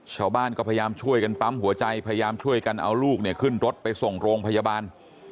ชาวบ้านก็พยายามช่วยกันปั๊มหัวใจพยายามช่วยกันเอาลูกเนี่ยขึ้นรถไปส่งโรงพยาบาล